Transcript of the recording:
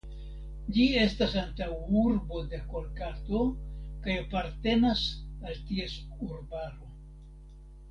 Ĝi estas antaŭurbo de Kolkato kaj apartenas al ties urbaro.